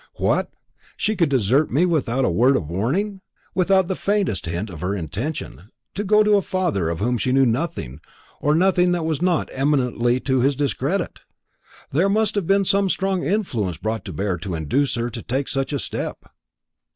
"What! she could desert me without a word of warning without the faintest hint of her intention to go to a father of whom she knew nothing, or nothing that was not eminently to his discredit!" "There may have been some strong influence brought to bear to induce her to take such a step."